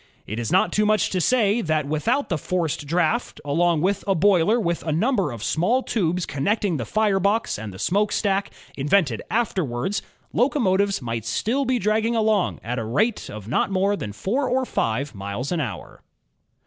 It is not too much to say that, without the forced draft, along with a boiler with a number of small tubes connecting the fire box and the smokestack, invented afterwards, locomotives might still be dragging along at a rate of not more than four or five miles an hour.